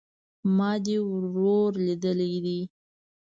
ما دي ورور ليدلى دئ